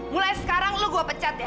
mulai sekarang lo gue pecat ya